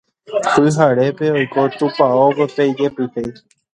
Pyharépe oiko tupãópe pe jepyhéi